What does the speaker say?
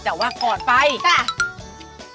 แต่ว่าก่อนไปค่ะ